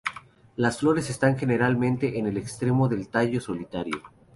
Las flores están generalmente en el extremo del tallo solitario.